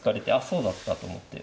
そうだったと思って。